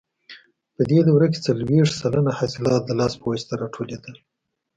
په دې دوره کې څلوېښت سلنه حاصلات د لاس په واسطه راټولېدل.